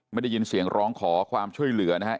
ไม่ได้ยินเสียงร้องขอความช่วยเหลือนะครับ